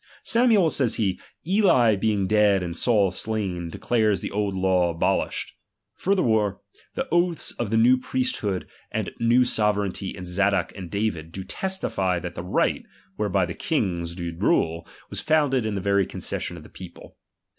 Samuel, says he, Eli being dead and Saul slain, declares the old law abolished. Furthermore, the oaths of the new priesthood and new sovereignty in Zadok and David, do testify that the right, whereby the kifigs did rule, was founded in the very concession of the people.